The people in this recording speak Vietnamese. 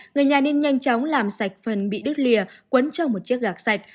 người nhà nên nhanh chóng làm sạch phần bị đứt lìa quấn trong một chiếc gạc